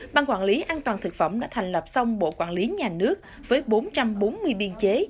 ban quản lý an toàn thực phẩm đã thành lập xong bộ quản lý nhà nước với bốn trăm bốn mươi biên chế